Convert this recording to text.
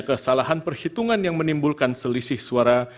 kesalahan perhitungan yang menimbulkan selisih suara